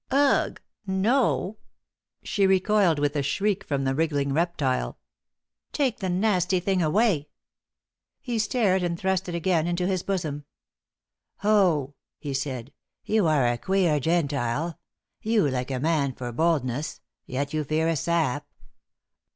"Ugh! No." She recoiled with a shriek from the wriggling reptile. "Take the nasty thing away!" He stared and thrust it again into his bosom. "Ho!" he said. "You are a queer Gentile, you like a man for boldness; yet you fear a sap!